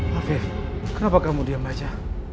hafif kenapa kamu diam aja